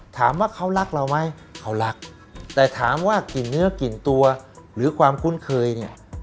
ถามว่าเขารักเราไหมเขารักแต่ถามว่ากลิ่นเนื้อกลิ่นตัวหรือความคุ้นเคยเนี่ย